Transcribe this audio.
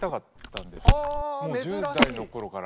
１０代の頃から。